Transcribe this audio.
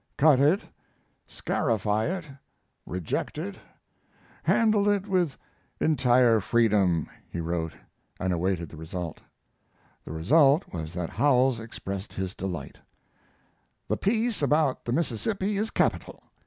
"Cut it, scarify it, reject it, handle it with entire freedom," he wrote, and awaited the result. The "result" was that Howells expressed his delight: The piece about the Mississippi is capital.